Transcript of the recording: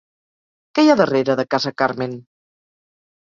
Què hi ha al darrere de Casa Carmen?